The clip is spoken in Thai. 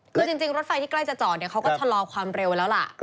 ก็รถไฟที่ใกล้จะจอดเขาก็จะรอความเร็วแล้วล่ะ